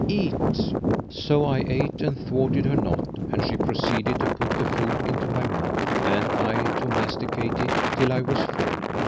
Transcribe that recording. Eat!" So I ate and thwarted her not and she proceeded to put the food into my mouth and I to masticate it, till I was full.